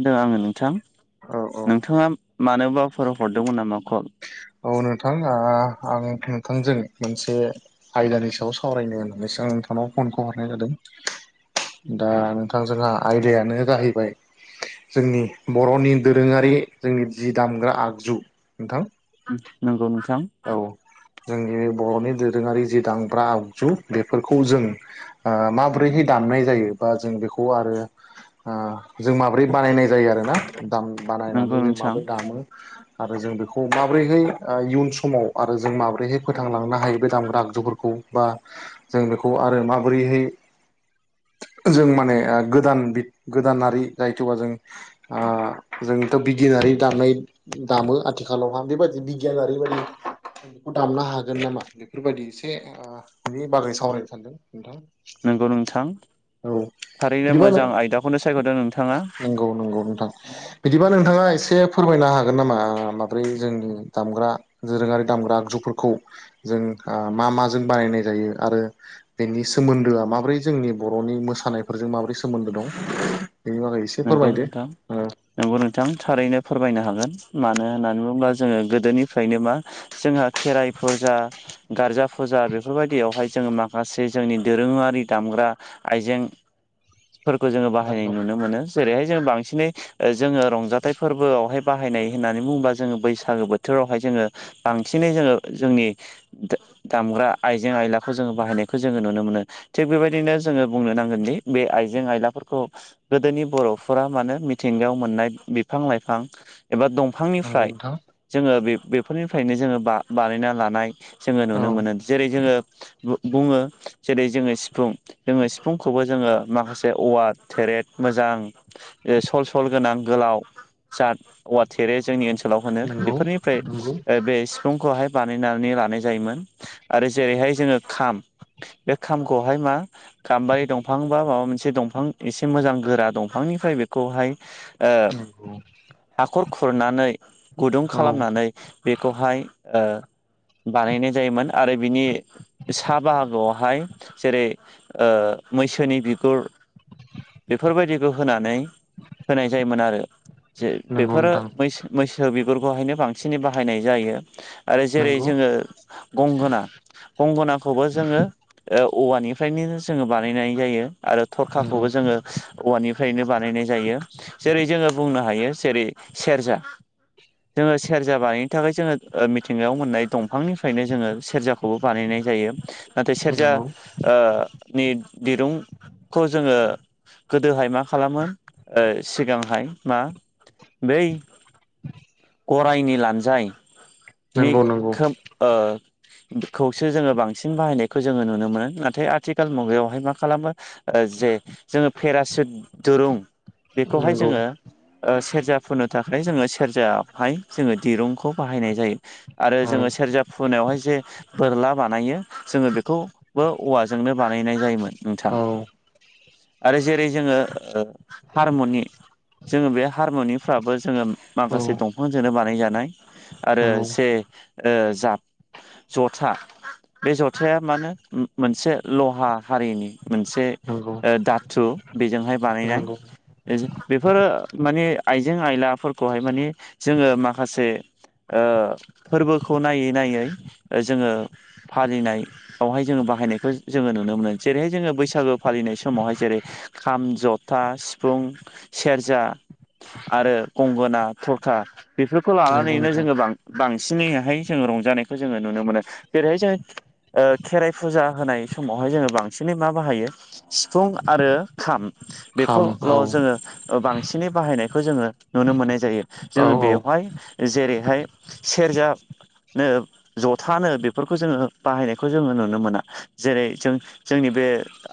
होदों आङो नोंथां औ औ नोंथाङा मानोबाफोराव हरदोंमोन नामा कल? औ नोंथां आ आं नोंथांजों मोनसे आयदानि सायाव सावरायनो होननानैसो आं नोंथांनाव फनखौ हरनाय जादों दा जोंहा आयदायानो जाहैबाय जोंनि बर'नि दोरोङारि जोंनि जि दामग्रा आगजु नोंथां नंगौ नोंथां औ जोंनि बर'नि दोरोङारि जि दामब्रा आगजु बेफोरखौ जों माबोरैहै दामनाय जायो बा जों बेखौ आरो आह जों माब्रै बानायनाय जायो आरो ना दाम नंगौ बानायनानै जों नोंथां माबोरै दामो आरो जों बेखौ माबोरैहाय इयुन समाव आरो जों माब्रैहाय फोथांलांनो हायो बे दामग्रा आगजुफोरखौ बा जों बेखौ आरो माबोरैहाय जों माने गोदान गोदानारि जायथ'बा जों आ जोंथ' बिगियानारि दानाय दामो आथिखालावहा बेबायदि बिगियाना ओरैबायदि बेखौ दामनो हागोन नामा बेफोरबायदि एसेनि बागै सावरायनो सानदों नोंथां नंगौ नोंथां औ थारैनो बिदिबा मोजां आयदाखौनो सायख'दों नोंथाङा। नंगौ नंगौ नोंथां बिदिबा नोंथाङा एसे फोरमायनो हागोन नामा माब्रै जोंनि दामग्रा दोरोङारि दामग्रा आगजुफोरखौ जों ओ मा माजों बानायनाय जायो आरो बेनि सोमोन्दोआ माबोरै जोंनि बर'नि मोसानायफोरजों माबोरै सोमोन्दो दं? बेनि बागै एसे नोंगौ फोरमायदो नोंथां ओ नोंगौ नोंथां थारैनो फोरमायनो हागोन मानो होननानै बुङोब्ला जोङो गोदोनिफ्रायनो मा जोंहा खेराइ फुजा गारजा फुजा बेफोर बायदियावहाय जोङो माखासे जोंनि दोरोङारि दामग्रा आइजेंफोरखौ जोङो बाहायनाय नंगौ नुनो मोनो जेरैहाय जों बांसिनै ओ जोङो रंजाथाइ फोरबोआवहाय बाहायनाय होननानै बुङोबा जोङो बैसागो बोथोरावहाय जोङो बांसिनै जोङो जोंनि दा-दामग्रा आइजें आयलाखौ जोङो बाहायनायखौ जोङो नुनो मोनो थिग बेबायदिनो जोङो बुंनो नांगोनदि बे आइजें आयलाफोरखौ गोदोनि बर'फोरा मानो मिथिंगायाव मोननाय बिफां लाइफां एबा नंगौ दंफांनिफ्राय नोंथां जोङो बे बेफोरनिफ्रायनो जोङो बा-बानायना लानाय जोङो औ नुनो मोनो जेरै जोङो बु-बुङो जेरै जोङो सिफुं जोङो सिफुंखौबो जोङो माखासे औवार थेरेट मोजां ओ सल सल गोनां गोलाव जात औवा थेरे जोंनि ओन सोलाव होनो नंगौ बेफोरनिफ्राय नंगौ बे सिफुंखौहाय बानायनानै लानाय जायोमोन आरो जेरैहाय जोङो खाम बे खामखौहाय मा गाम्बारि दंफां बा माबा मोनसे दंफां एसे मोजां गोरा दंफांनिफ्राय बेखौहाय ओ नंगौ हाखर खुरनानै गुदुं औ खालामनानै बेखौहाय ओ बानायनाय जायोमोन आरो बिनि सा बाहागोआवहाय जेरै ओ मैसोनि बिगुर बेफोर बायदिखौ होनानै होनाय जायोमोन आरो जे नंगौ बेफोरो नोंथां मैसो मैसो बिगुरखौहायनो बांसिनै बाहायनाय जायो आरो जेरै नंगौ जोङो गंगोना गंगनाखौबो जोङो ओ औवानिफ्रायनो जोङो बानायनाय जायो आरो नंगौ थरखाखौबो जोङो औवानिफ्रायनो बानायनाय जायो जेरै जोङो बुंनो हायो जेरै सेरजा जोङो सेरजा बानायनो थाखाय जोङो ओ मिथिंगायाव मोननाय दंफांनिफ्रायनो जोङो सेरजा खौबो बानायनाय जायो नाथाय सेरजा नंगौ ओ नि दिरुंखौ जोङो गोदोहाय मा खालामो ओ सिगांहाय मा बै गरायनि लानजायनि नंगौ नंगौ खोम ओ खौसो जोङो बांसिन बाहायनायखौ जोङो नुनो मोनो नाथाय आथिखाल मुगायावहाय मा खालामो जे जोङो पेरासुट दोरुं बेखौहाय नंगौ जोङो ओ सेरजा फुनो थाखाय जोङो सेरजाहाय जोङो दिरुंखौ बाहायनाय जायो आरो औ जोङो सेरजा फुनायावहाय जे बोरला बानायो जोङो बेखौ बो औवाजोंनो बानायनाय जायोमोन नोंथां औ आरो जेरै जोङो हारमनि जोङो बे हारमुनिफ्राबो जोङो औ माखासे दंफांजोंनो बानायजानाय आरो नंगौ से ओ जाब जथा बे जथाया मानो मोनसे लहा हारिनि मोनसे नंगौ दाथु बेजोंहाय बानायनाय नंगौ बेफोरो माने आइजें आयलाफोरखौहाय माने जोङो माखासे ओ फोरबोखौ नायै नायै जोङो फालिनायावहाय जोङो बाहायनायखौ जोङो नुनो मोनो जेरैहाय जोङो बैसागो फालिनाय समावहाय जेरै खाम जथा सिफुं सेरजा आरो गंगोना थरखा बेफोरखौ नंगौ लानानैनो नोंथां जोङो बां बांसिनैहाय जोङो रंजानायखौ जोङो नुनो मोनो जेरैहाय जोङो खेराइ फुजा होनाय समावहाय जोङो बांसिनै मा बाहायो सिफुं आरो खाम खाम औ बेखौल' जोङो बांसिनै बाहायनायखौ जोङो नुनो मोननाय जायो औ जोङो औ बेवहाय जेरैहाय सेरजा नो जथानो बेफोरखौ जोङो बाहायनायखौ जोङो नुनो मोना जेरै जों जोंनि बे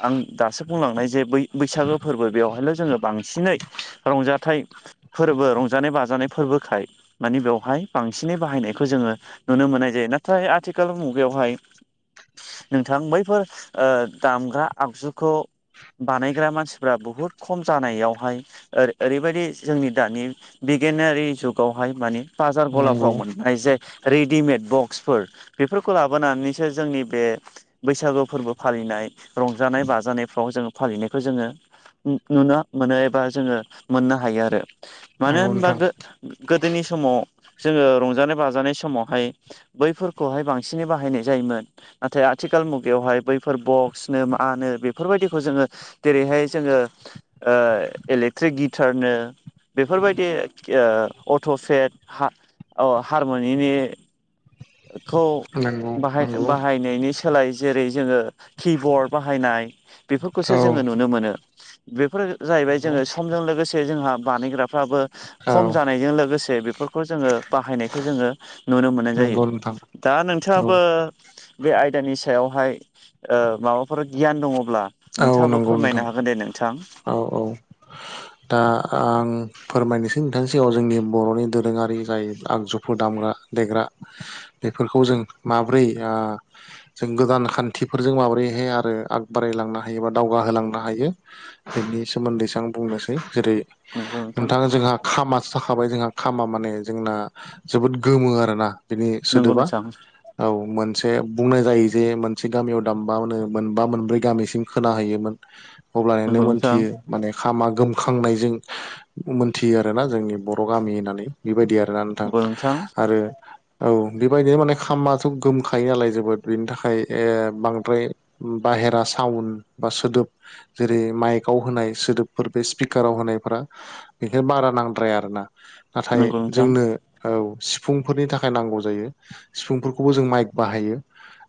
आं दासो बुंलांनाय जे बै बैसागो फोरबो बेवहायल' जोङो बांसिनै रंजाथाइ फोरबो रंजानाय बाजानाय फोरबोखाय मानि बेवहाय बांसिनै बाहायनायखौ जोङो नुनो मोननाय जायो नाथाय आथिखाल मुगायावहाय नोंथां बैफोर ओ दामग्रा आगजुखौ बानायग्रा मानसिफ्रा बुहुद खम जानायावहाय ओओरैबायदि जोंनि दानि बिगियानारि जुगावहाय माने बाजार नंगौ गलाफ्राव मोननाय जे रेडिमेद बक्सफोर बेफोरखौ लाबोनानैसो जोंनि बे बैसागु फोरबो फालिनाय रंजानाय बाजानाय फ्राव जोङो फालिनायखौ जोङो नुनो मोनो एबा जोङो मोननो हायो आरो मानो नंगौ होनबा नोंथां गोगोदोनि समाव जोङो रंजानाय बाजानाय समावहाय बैफोरखौहाय बांसिनै बाहायनाय जायोमोन नाथाय आथिखाल मुगायावहाय बैफोर बक्सनो मा नो बे बेफोरबायदिखौ जोङो जेरैहाय जोङो इलेक्ट्रिक ओ गिटारनो बेफोरबायदि ओ अट'चेट ओ हारमुनिनि खौ नंगौ बाहाय बाह नंगौ बाहायनायनि सोलाय जेरै जोङो किबर्ड बाहायनाय बेफोरखौसो औ जोङो नुनो मोनो बेफोर जाहैबाय नंगौ जोङो समजों लोगोसे जोंहा बानायग्राफ्राबो औ खम जानायजों लोगोसे बेफोरखौ जोङो बाहायनायखौ जोङो नुनो मोननाय नंगौ जायो नोंथां दा औ नोंथाङाबो बे आयदानि सायावहाय माबाफोर गियान दङब्ला औ नोंथाङाबो नंगौ नोंथां फोरमायनो हागोन दे नोंथां औ औ [inaudible] दा आं फोरमायनोसै नोंथांनि सिगाङ जोंनि बर'नि दोरोङारि जाय आगजुफोर दामग्रा देग्रा [inaudible] बेफोरखौ जों माब्रै ओ जों गोदान खान्थिफोरजों माबोरैहाय आरो आग बारायलांनो हायो बा दावगाहोलांनो हायो बेनि सोमोन्दैसो आं बुंनोसै जेरै नंगौ नोंथां नोंथाङा जोंहा खामासो जाखाबाय जोंहा खामा माने जोंना जोबोद गोमो आरोना बिनि नंगौ सोदोबा नोंथां औ मोनसे बुंनाय जायो जे मोनसे गामियाव दामबानो मोनबा मोनब्रै गामिसिम खोनााहैयोमोन अब्लनो नंगौ नोंथां मोनथियो माने खामा गोम खांनायजों मोनथियो आरोना जोंनि बर' गामि होननानै बेबायदि आरो नों थां नंगौ नोंथां आरो औ बेबायदिनो माने खामाथ' गोमखायो नालाय जोबोद बेनि थाखाय ओ बांद्राय बाहेरा साउन्द बा सोदोब जेरै माइकआव होनाय सोदोबफोर बे स्पिकाराव होनायफ्रा बेखाय बारा नांद्राया आर ना नाथाय नंगौ नोंथां जोंनो औ सिफुंफोरनि थाखाय नांगौ जायो सिफुंफोरखौबो जों माइक बाहायो।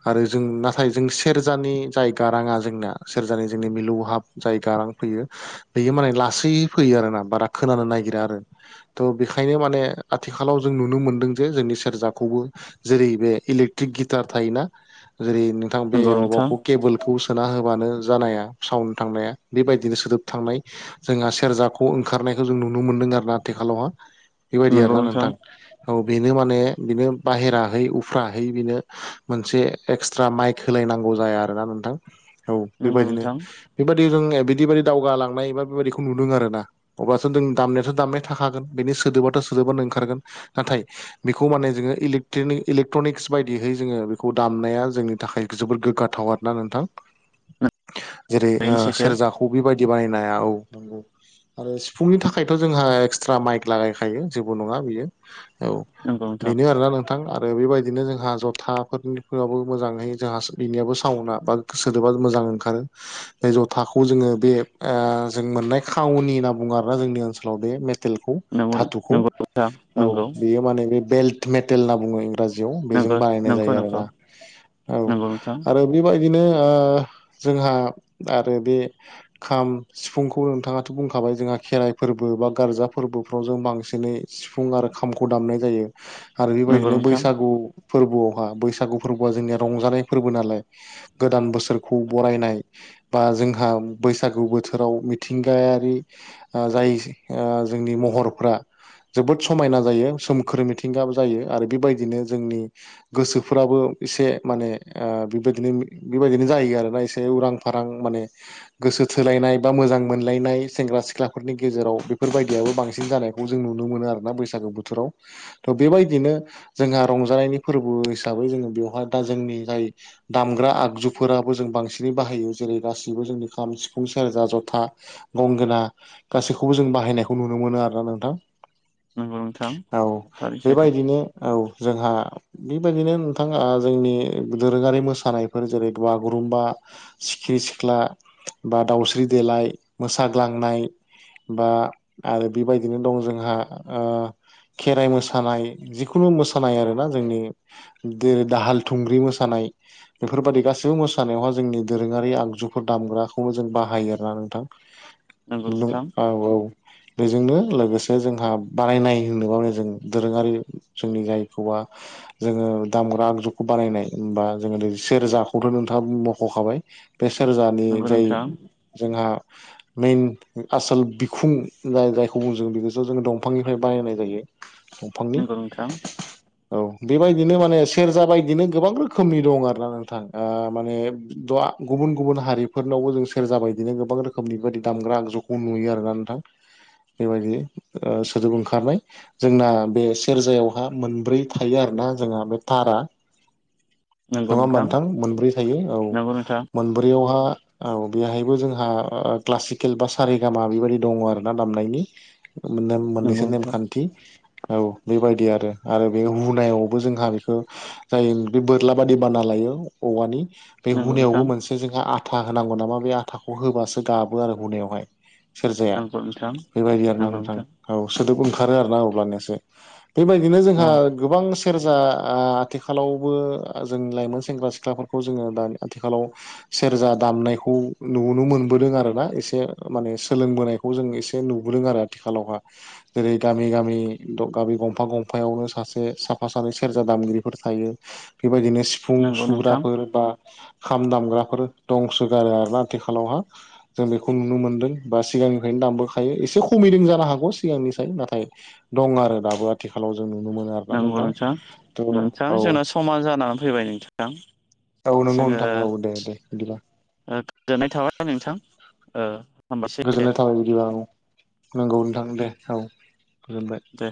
आरो जों नाथाय जों सेरजानि जाय गाराङा जोंनाया सेरजानि जोंनि मिलौहाब जाय गारां फैयो बेयो माने लासै फैयो आरो ना बारा खोनानो नागिरा आरो थ' बेखायनो माने आथिखालाव जों नुनो मोन्दों जे जोंनि सेरजाखौबो जेरै बे इलेक्ट्रिक गिटार थायोना जेरै नु नोंथां बे नंगौ नोंथां माबाखौ केबोल खौ सोना होबानो जानाया साउड थांनाया बेबायदिनो सोदोब थांनाय जोंहा सेरजाखौ ओंखारनायखौ जों नुनो मोनदों आरोना आथिखालावहा बेबायदि आरो ना नोंथां। औ बेनो माने बिनो बाहेराहै उफ्राहै बेनो मोनसे एक्सट्रा माइक होलायनांगौ जाया आरोना नोंथां। औ नंगौ बेबायदिनो नोंथां बेबायदि जों बिदि बादि दावगालांनाय बा बेबायदिखौ नुदों आरो ना। अब्लाथ' जों दामनायाथ' दामनाया थाखागोन बेनि सोदोबाथ' सोदोबानो ओंखारगोन नाथाय बेखौ माने जोङो इलेट्रनिक इलेक्ट्रनिक बायदिहै जोङो बेखौ दामनाया जोंनि थाखाय जबोद गोग्गाथाव आरो दा नोंथां आ [unintelligible] जेरै ओ सेरजाखौ बेबायदि बानायनो हाया औ नंगौ। आरो सिफुंनि थाखायथ' जोंहा एक्सट्रा माइक लागायखायो जेबो नङा बियो औ। नंगौ नोंथां बिनि आरोना नों थां आरो बेबायदिनो जोंहा जथाफोराबो मोजाङै जोंहा सोलिनियाबो साउन्दआ बा सोदोबा मोजां ओंखारो बे जथाखौ जोङो बे आ जों मोननाय खावनि होनना बुङो आरोना जोंनि ओनसोलाव बे टेलखौ नंगौ दाथुखौ नंगौ नोंथां औ नंगौ बेयो माने बे बेल्ट मेटेल होनना बुङो जियाव बेजों नंगौ बानायनाय जायो आरो ना औ नंगौ नोंथां आरो बेबायदिनो ओ जोंहा आरो बे खाम सिफुंखौ नोंथाङाथ' बुंखाबाय जोंहा खेराइ फोरबो बा गारजा फोरबोफ्राव जों बांसिनै सिफुं आरो खामखौ दामनाय जायो आरो नंगौ बेबायदिनो नोंथां बैसागु फोरबोआवहा बैसागु फोरबोआ जोंनिया रंजानाय फोरबो नालाय गोदान बोसोर बोसोरखौ बरायनाय बा जोंहा बैसागु बोथोराव मिथिंगायारि जाय ओ जोंनि महरफ्रा जोबोद समायना जायो सोमखोर मिथिंगा जायो आरो बेबायदिनो जोंनि गोसोफोराबो एसे माने ओ बेबायदिनो बेबायदिनो जायो आरोना एसे उरां फारां माने [unintelligible] गोसो थोलायनाय बा मोजां मोजांमोनलायनाय सेंग्रा सिख्लाफोरनि गेजेराव बेफोर बायदियाबो बांसिन जानाय खौ जों नुनो मोनो आरोना बैसागो बोथोराव। थ' बेबायदिनो जोंहा रंजानायनि फोरबो हिसाबै जोङो बेवहाय दा जोंनि जाय दामग्रा आगजुफोराबो जों बांसिनै बाहायो जेरै गासैबो जोंनि खाम सिफुं सेरजा जथा गंगोना गासैखौबो जों बाहायनायखौ नुनो मोनो आरो ना नोंथां। नंगौ नोंथां औ थारै सैथो बेबायदिनो औ जोंहा बेबायदिनो नोंथाङा आ जोंनि दोरोङारि मोसानायफोर जेरै बागुरुम्बा सिखिरि सिख्ला बा दाावस्रि देलाय मोसाग्लांनाय बा आरो बेबायदिनो दं जोंहा ओ खेराइ मोसानाय जिखुनु मोसानाय आरोना जोंनि दो दाहाल थुंग्रि मोसानाय बेफोरबायादि गासैबो मोसानायावहा जोंनि दोरोङारि आगजुफोर दामग्राखौनो जों बाहायो आरोना नंगौ नोंथां नों नोंथां औ औ। बेजोंनो लोगोसे जोंहा बानायनाय होनोबा जों दोरोङारि जोंनि जायखौवा जोङो दामग्रा आगजुखौ बानायनाय होमबा जोङो सेरजाखौथ' नोंथाङा बुंब'खाबाय बे सेरजानि नंगौ जाय नोंथां जोंहा मेइन आसल बिखुं जाय-जायखौ बुं जों बेखौस जों दंफांनिफ्राय बानायनाय जायो। दंफांनि नंगौ नोंथां औ बेबायदिनो माने सेरजा बायदिनो गोबां रोखोमनि दं आरो ना नोंथां ओ माने दया गुबुन गुबुन हारि फोरनावबो जों सेरजा बायदिनो गोबां रोखोमनि बेबादि दामग्रा आगजुखौ नुयो आरोना नोंथां। बेबायदि ओ सोदोब ओंखारनाय जोंना बे सेरजायावहा मोनब्रै थायो आरोना जोंहा बे थारा [inaudible] नङा होमबा नोंथां मोनब्रै थायो औ नंगौ नोंथां मोनब्रैयावहा औ बेहायबो जोंहा क्लासिकेल बा सारे गामा बेबायदि दङ आरो ना दामनायनि मोनोम नंगौ मोननैसो नोंथां नेमखान्थि औ बेबायदि आरो आरो बे हुनायावबो जोंहा बेखौ जायो बे बोरला बादि बाना लायो औवानि बे नंगौ नोंथां हुनायावबो मोनसे जोंहा आथा होनांगौ नामा बे आथाखौ होबासो गाबो आरो हनायावहाय। सेरजाया नंगौ नोंथां बेबायदि आरोना नोंथां। औ सोदोब ओंखारो आरोना अब्लानियासो बेबायदिनो औ जोंहा गोबां सेरजा ओ-आथिखालावबो जों लाइमोन सेंग्रा सिख्लाफोरखौ जोङो दानि आथिखालाव [inaudible] सेरजा दामनायखौ नुनो मोनबोदों आर ना एसे माने सोलोंबोनायखौ जों एसे नुबोदों आरो। आथिखालावहा जेरै गामि गामि गामि गंफा गंफायावनो सासे साफा सानै सेरजा दामगिरिफोर थायो। बेबायदिनो सिफुं नंगौ नोंथां सुग्राफोर बा खाम दामग्राफोर दंसोगारो आरोना आथिखालावहा। जों बेखौ नुनो मोनदों बा सिगांनिफ्रायनो दामबोखायो एसे खमैदों जानो हागौ सिगांनिसाय नाथाय। दं आरो दाबो आथिखालाव जों नुनो मोनो आरोना नोंथां थ' नोंथां औ। जोंना समा जानानै फैबाय नोंथां। औ नोंगौ नोंथाङा औ दे दे बिदिबा। ओ-गोजोननाय थाबाय नोंथां। ओ-हामबायसै। गोजोननाय थाबाय बिदिबा आं नंगौ नोंथां दे औ गोजोनबाय। दे